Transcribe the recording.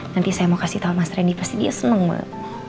nanti saya mau kasih tau mas randy pasti dia seneng mah